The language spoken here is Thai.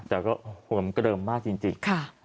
แต่ก็หว่ำเกลิมมากจริง